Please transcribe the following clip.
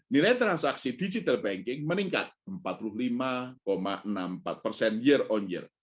nilai transaksi digital banking meningkat empat puluh lima enam puluh empat persen year on year